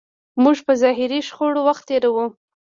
موږ په ظاهري شخړو وخت تېروو.